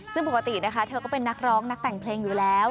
ซึ่งปกตินะคะเธอก็เป็นนักร้องนักแต่งเพลงอยู่แล้ว